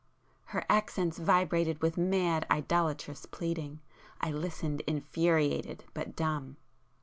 Her accents vibrated with mad idolatrous pleading,—I listened infuriated, but dumb.